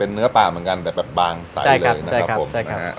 เป็นเนื้อปลาเหมือนกันแบบบางใสเลยนะครับ